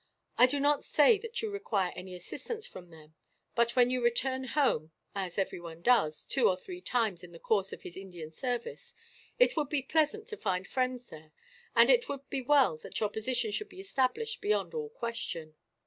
I do not say that you require any assistance from them; but when you return home, as everyone does, two or three times, in the course of his Indian service, it would be pleasant to find friends there; and it would be well that your position should be established beyond all question."